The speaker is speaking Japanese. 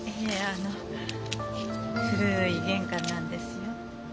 あの古い玄関なんですよ。